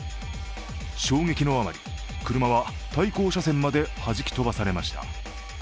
衝撃のあまり、車は対向車線まではじき飛ばされました。